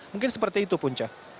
mungkin seperti itu punca